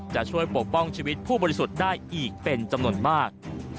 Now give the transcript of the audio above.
จะช่วยปกป้องชีวิตผู้บริสุทธิ์ได้อีกเป็นจำนวนมาก